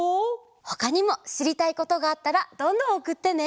ほかにもしりたいことがあったらどんどんおくってね！